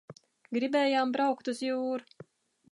Giribējām braukt uz jūru.